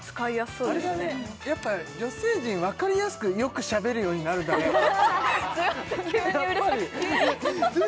あれだねやっぱ女性陣分かりやすくよくしゃべるようになるんだねすいません